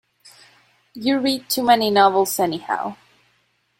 You read too many novels anyhow.